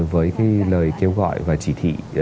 với cái lời kêu gọi và chỉ thị